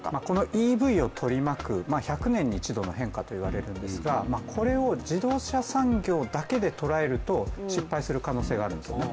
ＥＶを取り巻く、１００年に１度の変化といわれるんですがこれを自動車産業だけで捉えると失敗する可能性があるんですね。